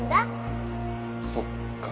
そっか。